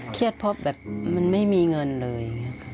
เครียดเพราะแบบมันไม่มีเงินเลย